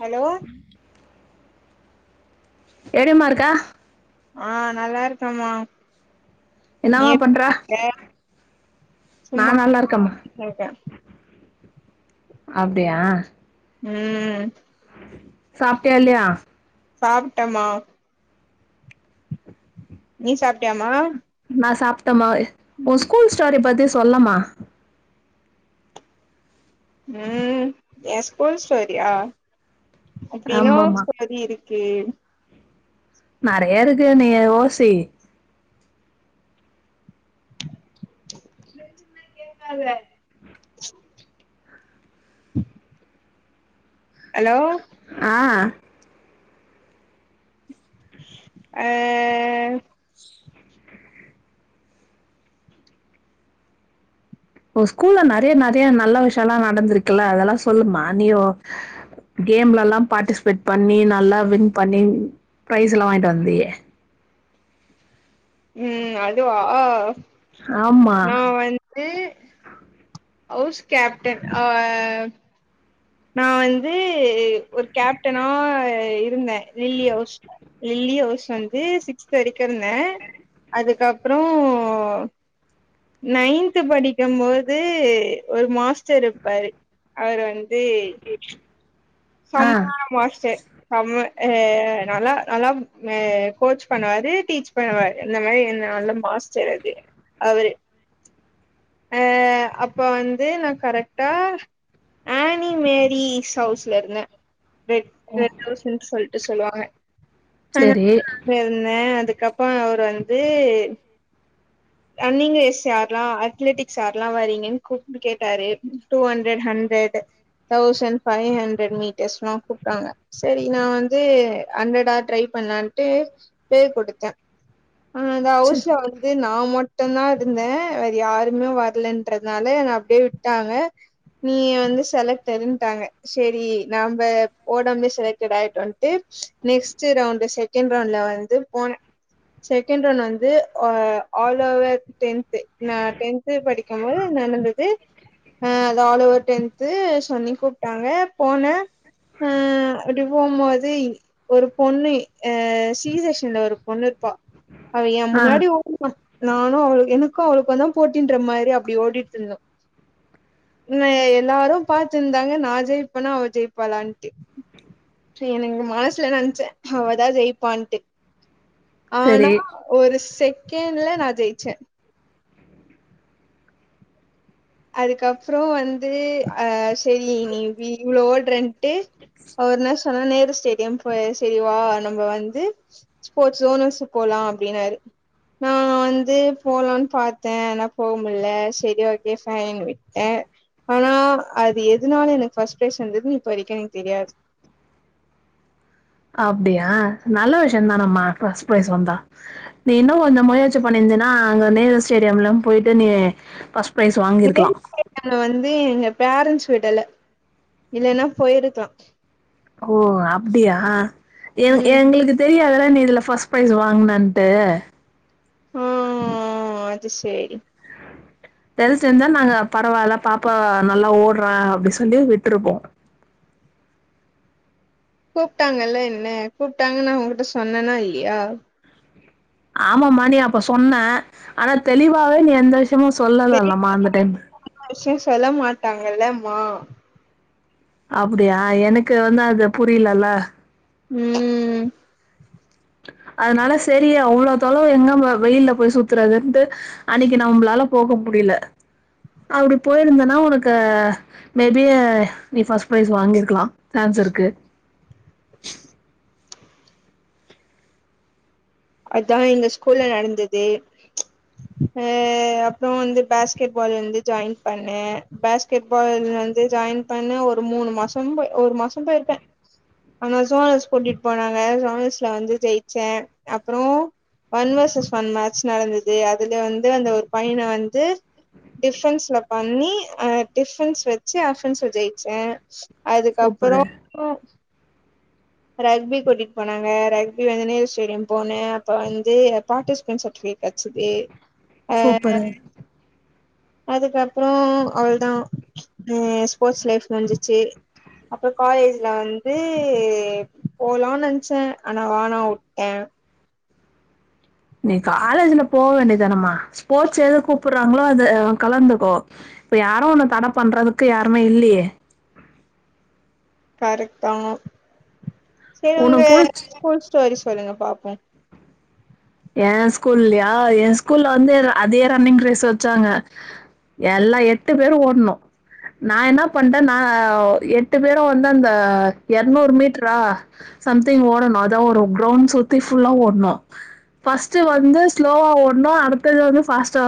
Hello எப்டிம்மா இருக்க ஆஹ் நல்லா இருக்கமா நீ என்னமா பண்ற எப்டி இருக்க? நா சும்மா நல்லா இருக்கம்மா இருக்கே அப்டியா உம் சாப்டியா இல்லயா சாப்ட்டமா நீ சாப்டியாமா நா சாப் டம்மா ஒ ஸ்கூல் ஸ்டோரிப் பத்தி சொல்லமா உம் எ ஸ்கூல் ஸ்டோரியா அப்டி என்னமா ஆமாம்மா சொல்றது இரு க்கு நெறய இருக்கு நீ யோ யோசி [inaudible] ஹலோ ஆஹ் அஹ் ஒ ஸ்கூல்ல நெறய நெறய நல்லா விஷ்யலா நடந்திருக்குல்ல அதெல்லா சொல்லுமா, நீயோ கேம்லல்லா பார்ட்டிசிபேட் பண்ணி நல்லா வின் பண்ணி பிரைஸ் எல்லா வாங்கிட்டு வந்தியே உம் அதுவா ஆமா நா வந்து ஹவுஸ் கேப்டன் ஆஹ் நான் வந்து ஒரு கேப்டனா இரு இருந்தேன். லில்லி ஹவுஸ் லில்லி ஹவுஸ் வந்து சிக்ஸ்த் வரைக்கும் இருந்தேன் அதுக்கப்றம். நைன்த் படிக் க்கும் போது ஒரு மாஸ் டர் இருப்பாரு அவரு வந்து ஆ சம்ஹார மாஸ்டர் சம் ம் ஹேஹ் ஹ். நல்லா நல்லா ஆஹ் கோச் பண்ணுவாரு டீச் பண்ணுவாரு இந்த மாரி நல்ல மாஸ் சிலது அவரு அஹ் அப்ப வந்து நான் கரெக்டா ஆனி மேரி சவுஸ் ல இருந்தேன் ரெட் ஹவுஸ்னு சொல்ட்டு சொல்லுவாங்க [unintelligible] சரி அத இருந்தேன் அதுக்கு க்கப்பம் அவர் வந்து ரன்னிங் ரேஸ் யார்லாம் அத்லெட்டிக்ஸ் யார்லாம் வரீங்கன்னு கூப்ட்டு கேட்டாரு two hundred hundred thousand five hundred metres எல்லாம் கூப்ட்டாங்க சரி நான் வந்து ஹண்ட்ரடா ட்ரை பண்ணலான்ட்டு பேர் கொடுத்தேன் ஆஹ் அந்த ச- ஹவுசில வந்து நா மட் மட்டுந் தான் இருந்தேன் வேற யாருமே வர்லன்றதுனால என்ன அப்டியே விட்டாங்க. நீ வந்து செலக்டடுன்டாங்க சேரி நம்ப ஓடாமலே செலக்டட் ஆய்ட்டோன்ட்டு நெக்ஸ்ட்டு ரவுண்டு செக்கேன்ட் ரவுண்ட்ல வந்து போனேன் செக்கேன்ட் ரவுண்ட்ல வந்து அ ஆல் ஓவர் டென்த்து நா டென்த்து படிக்கும்போது நடந்தது அ அது ஆலோவர் டென்த்து சொல்லி கூப்ட்டாங்க போன அ அப்டி போம்மோது ஒரு பொண்ணு அ சி செஷன்ல ஒரு பொண்ணிருப்பா அவ ஏன் ஆ முன்னாடி ஊமா நானு அவள் எனக்கு அவளுக்குந்தா போட்டின்ற மாரி அப்டி ஓடிட்ரிந்தோ என்னய எல்லாரு பாத்திருந்தாங்க நா ஜெயிப்பனா அவ ஜெயிப்பாளான்ட்டு எனங்கு மனசுல நெனச்ச அவதா ஜெயிப்பான்ட்டு ஆனா சரி ஒரு செக் கென்ட்ல நா ஜெய்ச்சே அதுக்கப்றோ வந்து அ சரி நீ வி இவ்ளோ ஓட்ரண்ட் டு அவர்ன்னஸ் அதா நேரு ஸ்டேடியம் போய சேரி வா நம்ப வந்து ஸ்போர்ட்ஸ் ஓனர்ஸு போலா அப்டின்னாரு நா வந்து போலான் பாத்த ஆனா போக முல்ல செரி ஓ கே ஃபைன்னு விட்ட ஆனா அது எதுனால எனக் ஃபஸ்ட் ப்ரைஸ் வந்துதுனு இப்ப வரைக்கு எனக்கு தெரியாது அப்டியா நல்ல விஷயந்தானம்மா ஃபஸ்ட் ப்ரைஸ் வந்தா நீ இன்னுங் கொஞ்ச முயற்சி பண்ணிருந்தினா அங்க நேரு ஸ்டேடியம்லா போய்ட்டு நீ ஃபஸ் நேரு ஸ்டேடியம் ல வந்து எங்க பேரன்ட்ஸ் விடல இல்லனா போயிருக்லா ஓ அப்டியா எ ம் எங்ளுக்கு தெரியாத நீ இதுல ஃபஸ்ட் ப்ரைஸ் வாங்குனன்ட்டு ஓ ஓ அது சேரி எது செஞ்சால் நாங்க பரவால்ல பாப்பா நல்லா ஓட்றா அப்டி சொல்லி விட்ருக்கோ கூப்ட்டாங்கல்ல என்ன கூப்ட்டாங்க நா ஓங்குட்ட சொன்னனா இல்லியா ஆமமா நீ அப்ப சொன்ன ஆனா தெளிவாவே நீ எந்த விஷ் சும்மா தெரி சொல்லலல்லமா அந்த டைம் விஷய சொல்ல மாட்டாங்கல்ல மா அப்புடியா எனக்கு வந்து அது புரிய்லல்ல ம் அதனால செரி அவ்ளோ தொளவு எங்க ம வெயில்ல போய் சுத்துறதுன்ட்டு அன்னிக்கி நம்ப்ளால போக முடில அப்டி போயிருந்தனா உனக்கு மேபி அ நீ ஃபஸ் ப்ரைஸ் வாங்கிருக்லா சான்ஸ் இருக்கு அதா எங்க ஸ்கூல்ல நடந்தது அ அப்றோ வந்து பேஸ்கெட்பால் வந்து ஜாயின் பண்ணே பேஸ்கெட்பால் வந்து ஜாயின் பண்ண ஒரு மூணு மாசம் போய் ஒரு மாசம் பேயிர்க்க ஆனா ஜோனல்ஸ் கூட்டிட் போனாங்க ஜோனல்ஸ்ல வந்து ஜெயிச்ச அப்றோ வன் வர்சஸ் வன் மேட்ச் நடந்துது அதுல வந்து அந்த ஒரு பையன வந்து டிஃபன்ஸ்ல பண்ணி அ டிஃபன்ஸ் வெச்சு அஃபன்ஸ்ல ஜெயிச்ச அதுகப்புறோ சூப்பரு ரக்பி கூட்டிட் போனாங்க ரக்பி வந்து நேரு ஸ்டேடியம் போனே அப்ப வந்து பார்டிஸ்பென் சர்டிஃபிகேட் கச்சுதே அ சூப்பரு அதுக்கப்றோ அவுள்தா ஏ ஸ்போட்ஸ் லைஃப் முன்சுச்சு அப்றொ காலேஜ்ல வந்து போலான் நென்ச்ச ஆனா வானா உட்டே நீ காலேஜில போ வேண்டியதானமா ஸ்போட்ஸ் எது கூப்புற்றாங்ளோ அது அ கலந்துகோ இப்ப யாரு ஒன்ன தட பண்றதுக்கு யாருமே இல்லியே கரக்ட்தா சேரி உங்க உனக்கு புடிச் ஸ்கூல் ஸ்டோரிஸ் சொல்லுங்க பாப்பு ஏன் ஸ்கூல்லியா என் ஸ்கூல்ல வந்து அத அதே ரன்னிங் ரேஸ் வெச்சாங்க எல்லா எட்டு பேரு ஓட்னோ நா என்னா பண்ட்ட நா எட்டு பேரு வந்து அந்த எர்நூறு மீட்ரா சம்திங் ஓடனு அதா ஒரு க்ரவுண் சுத்தி ஃபுல்லா ஓட்னு ஃபஸ்ட்டு வந்து ஸ்லோவா ஓட்ணு அடுத்தது வந்து ஃபாஸ்டா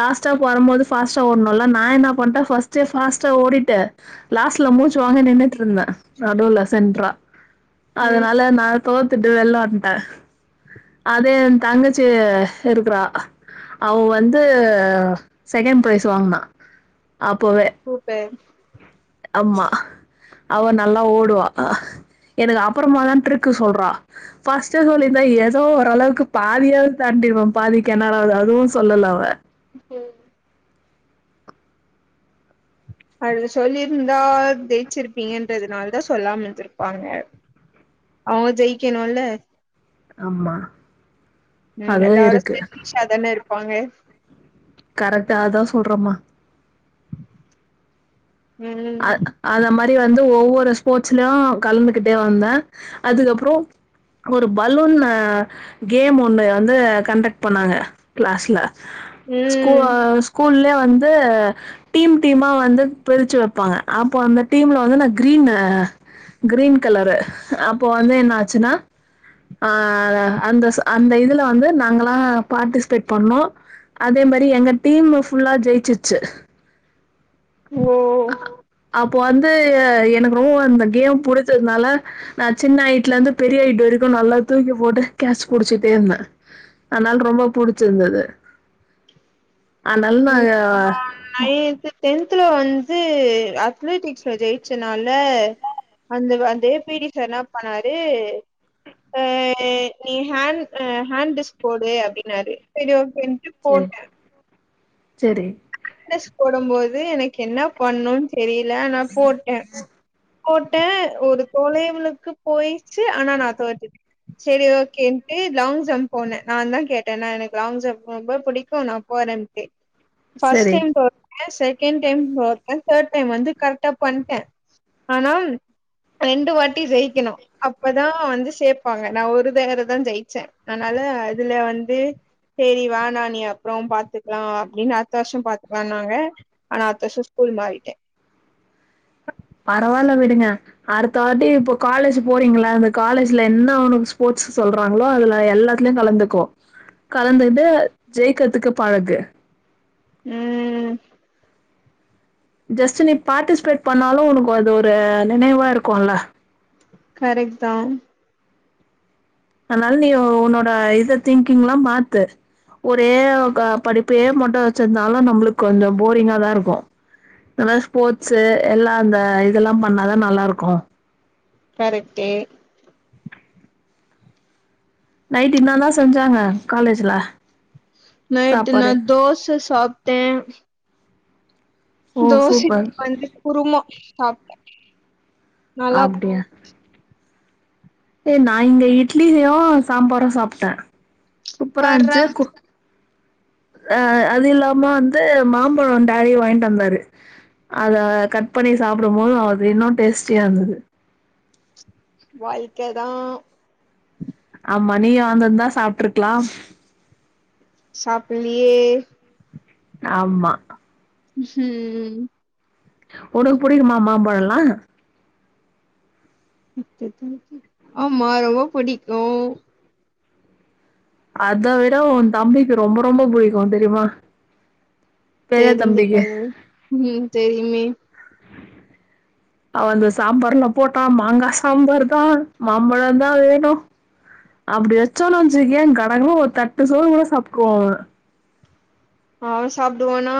லாஸ்ட்டா போரம்மோது ஃபாஸ்டா ஓட்ணுல்ல நா என்ன பண்ட்ட ஃபஸ்ட்டே ஃபாஸ்டா ஓடிட்டு லாஸ்ட்ல மூச்சுவாங்க நின்னுட்ருந்த நடுவ்ல சென்ட்றா ம் அதுனால நா தோத்துட்டு வெள்ல வன்ட்ட அதே ஏ தங்கச்சி இருக்றா அவ வந்து செகேண் ப்ரைஸ் வாங்குனா அப்பவே. சூப்பர் ஆமா அவ நல்லா ஓடுவா எனக்கு அப்பறமாதா ட்ரிக்கு சொல்றா ஃபஸ்டே சொல்லியிருந்தா ஏதோ ஓரளவுக்கு பாதியாவ்து தாண்டிருப்ப பாதி கேணராவ்து அதுவு சொல்லல அவ ம் அது சொல்லியிருந்தா ஜெயிச்சிருப்பீங்கன்றதுனால தா சொல்லாம இருந்திருப்பாங்க அவங்க ஜெயிக்கணுல்ல ஆம்மா ம் எல்லாரு செல்ஃபிஷ்ஷாதான இருப் பாங்க கரெக்ட்டாதா சொல்றமா அ ம் அந்த மாதி அ வந்து ஒவ்வொரு ஸ்போர்ட்ஸ்லயு கலந்துகிட்டே வந்தா அதுக்கு அப்புறம் ஒரு பலூன் ஆ கேம் ஒன்னு வந்து கண்டக்ட் பண்ணாங்க க்ளாஸ்ல ஸ்கூ ம் ஆ ஸ்கூல்லே வந்து டீம் டீமா வந்து பிரிச்சு வப் ப்பாங்க அப்போ அந்த டீம்ல வந்து நா கிரீனு கிரீன் கலரு அப்ப வந்து என்ன ஆச்சுன்னா அஹ் அந்த அந்த இதுல வந்து நாங்கல்லா பார்ட்டிசிபேட் பண்ணோம் அதே மாரி எங்க டீமு ஃபுல்லா ஜெயிச்சுடுச்சு ஓ அப்போ வந்து எனக்கு ரொம்ப இந்த கேம் புடிச்சதுனால நா சின்ன ஐட்ல இருந்து பெரிய ஐட்டு் வரைக்கு நல்லா தூக்கி போட்டு கேட்சு புடிச்சுட்டே இருந்தே அதனால ரொம்ப புடிச்சிருந்தது அதனால நாங்க ஆ நைன்த்து டென்த்துல வந் து அத்லெட்டிக்ஸ்ல ஜெயிச்சனால வந்து அந்த அந்தே பி டி சார் என்ன பண்ணாரு ஆ ஆ நீ ஹண்ட் போடு அப்டினாரு சரிய என்று போட்ட செரி [unintelligible] போடும் போது எனக்கு என்ன பண்ணுன் தெரியல ஆனா போட்ட போட்டே ஒரு தொலைவுலக்கு போயிச்சு ஆனா நா தோத்துட்ட சரி ஓகேன்ட்டு லாங் ஜம்ப் போன நாந்தா கேட்ட நா எனக்கு லாங் ஜம்ப் ரொம்ப புடிக்கு நா போறன்ட்டு ஃபஸ்ட் சரி. டைம் போ [inaudible] செக் கேண்ட் டைம் தோத்த தேர்ட் டைம் வந்து கரெக்டா பண்ட்டே ஆனா ரண்டு வாட்டி ஜெயிக்கணு அப்பதா வந்து சேப்பாங்க நா ஒரு தடவதா ஜெயிச்சே அனால இதுல வந்து சரி வாணா நீ அப்புறொ பாத்துக்கலா அப்டின்னு அடுத்த வருஷம் பாத்துக்கலானாங்க ஆனா அடுத்த வருஷொ ஸ்கூல் மாறிட்டே பரவால்ல விடுங்க அடுத்த வாட்டி இப்ப காலேஜ் போறீங்களா அந்த காலேஜ்ல என்ன ஒன்க்கு ஸ்போர்ட்ஸ் சொல்றாங்களோ அதுல எல்லாத்துலயு கலந்துக்கோ கலந்துகிட்டு ஜெயிக்கறதுக்கு பழகு உம் ஜஸ்ட் நீ பார்ட்டிசிபேட் பண்ணாலு உனக்கு அது ஒரு நினைவா இருக்குல்ல கரெக்ட்தா அதனால நீ ஒ ஒன்னோட இத திங்கிங்லா மாத்து ஒரே க படிப்பையே மட்டும் வச்சிருந்தாலு நம்மளுக்கு கொஞ்சம் போரிங்காதா இருக்கு அதா ஸ்போர்ட்ஸ் எல்லா அந்த இதெல்லா பண்ணாதா நல்லாருக்கு கரெக்ட்டு நைட் என்னாதா செஞ்சாங்க காலேஜ்ல நைட்டு நா சாப்பாடு தோச சாப் ட்ட ஓ சூப்பர் தோசைக்கு வந்து குருமா சாப்ட்ட அப்டியா ஏ நா இங்க இட்லியு சாம்பாரு சாப்ட்ட சூப்பரா பார்றா இருந்ச்சு கோ அஹ் அது இல்லாம வந்து மாம்பழோ டேடி வாங்ட்டு வந்தாரு அத கட் பண்ணி சாப்படும் போது அது இன்னு டேஸ்ட்டியா இருந்துது வாழ்க்க தா மணிய வந்துர்ந்தா சாப்ட்ருக்லாம் சாப்பிட்லியே ஆமா ம் உனக்கு புடிக்குமா மாம்பழல்லா ஆமா ரொம்ப புடிக்கு அத விட உ தம்பிக்கு ரொம்ப ரொம்ப புடிக்கு தெரியுமா பெரிய தம்பிக்கு தெரிஞ்சுக்கணு உம் தெரியுமே அவ அந்த சாம்பார்ல போட்டா மாங்கா சாம்பார் தா மாம்பழ தா வேணு அப்டி வச்சோன்னு வச்சுகேயேன் கடகடன்னு ஒரு தட்டு சோறு கூட சாப்பிடுவ அவ அவ சாப்பிடுவானா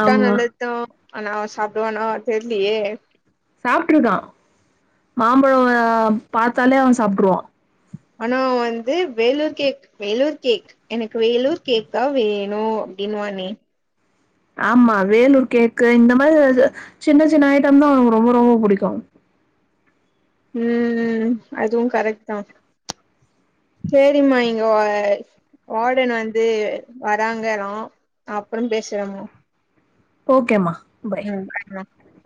அவ ஆமா நல்லதுதா ஆனா அவ சாப்பிடுவானா தெர்லியே சாப்பிட்டுருக்கா மாம்பழோ பாத்தாலே அவ சாப்ட்ருவா ஆனா வந்து வேலூர் கேக் வேலூர் கேக் எனக்கு வேலூர் கேக்தா வேணு அப்டின்னுவானே ஆமா வேலூர் கேக்கு இந்த மாரி சின்ன சின்ன ஐட்டம் தா அவனக்கு ரொம்ப ரொம்ப புடிக்கு உம் அதுவு கரெக்ட் தா சேரிம்மா இங்க வ வார்டன் வந்து வராங்களா அப்புறோ பேசுறேமா ஓகேம்மா ஹம் [unintelligible]